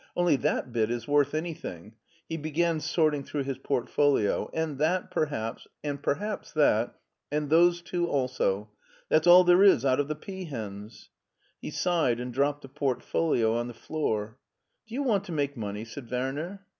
Only that bit is worth anything "— ^he began sorting through his portfolio— '' and that, perhaps, and perhaps that, and those two also. That's all there is out of the peahens." He sighed and dropped the portfolio on the floor. " Do you want to make money ?" said Werner.